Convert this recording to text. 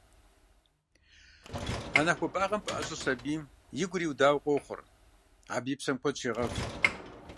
Анэ хуэбагъым пэӀэщӀэ сабийм и гур иудауэ къохъур, абы и псэм куэд щегъэв.